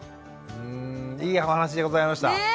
いいお話でございました。